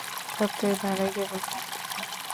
সত্ত্বের দ্বারাই কেবল জ্ঞানলাভ হয়।